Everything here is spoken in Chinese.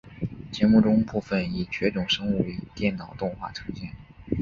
节目中部分已绝种生物以电脑动画呈现。